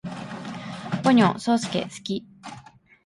ポニョ，そーすけ，好き